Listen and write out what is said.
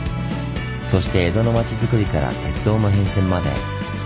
そして江戸の町づくりから鉄道の変遷まで。